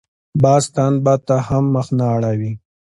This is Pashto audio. باز تند باد ته هم مخ نه اړوي